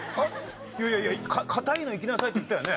いやいやいや堅いのいきなさいって言ったよね？